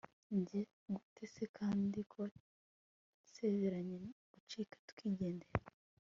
njye gute se kandi, ko twasezeranye gucika tukigendera